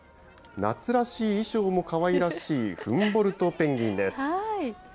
夏らしい衣装もかわいらしいフンボルトペンギンです。